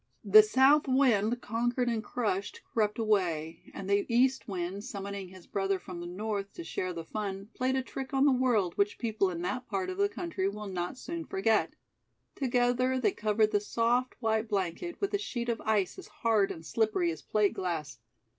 The South wind, conquered and crushed, crept away and the East wind, summoning his brother from the North to share the fun, played a trick on the world which people in that part of the country will not soon forget. Together they covered the soft, white blanket with a sheet of ice as hard and slippery as plate glass.